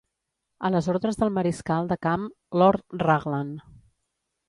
A les ordres del mariscal de camp Lord Raglan.